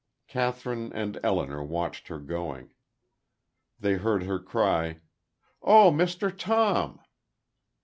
Kathryn and Elinor watched her going. They heard her cry, "Oh, Mr. Tom!"